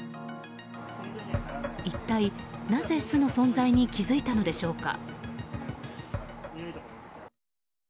一体なぜ巣の存在に気づいたのでしょうか。